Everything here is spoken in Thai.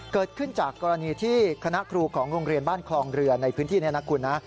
เกิดขึ้นจากกรณีที่คณะครูของโรงเรียนบ้านคลองเรือในพื้นที่นี้นะคุณนะ